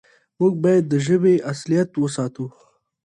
موږ بايد د ژبې اصالت وساتو.